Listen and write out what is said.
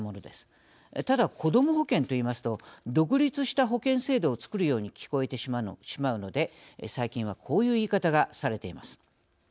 ただこども保険と言いますと独立した保険制度を作るように聞こえてしまうので最近はこういう言い方がされています。